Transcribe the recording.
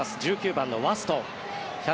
１９番のワストン。